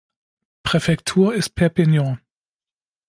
Präfektur ist Perpignan.